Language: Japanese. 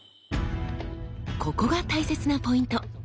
ここが大切なポイント。